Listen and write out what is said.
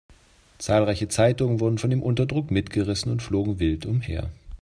Zahlreiche Zeitungen wurden von dem Unterdruck mitgerissen und flogen wild umher.